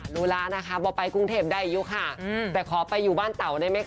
รู้แล้วนะคะว่าไปกรุงเทพได้อายุค่ะแต่ขอไปอยู่บ้านเต่าได้ไหมคะ